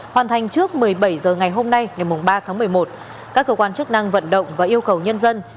hoàn thành trước một mươi bảy h ngày hôm nay ngày ba tháng một mươi một các cơ quan chức năng vận động và yêu cầu nhân dân